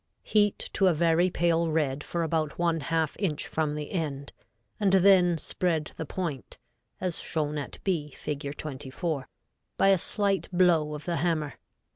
Heat to a very pale red for about one half inch from the end, and then spread the point, as shown at B, Fig. 24, by a slight blow of the hammer.